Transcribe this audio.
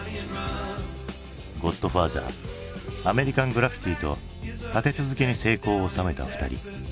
「ゴッドファーザー」「アメリカン・グラフィティ」と立て続けに成功を収めた２人。